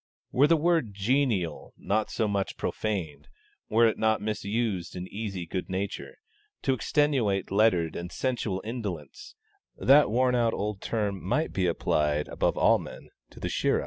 Were the word 'genial' not so much profaned, were it not misused in easy good nature, to extenuate lettered and sensual indolence, that worn old term might be applied, above all men, to 'the Shirra.'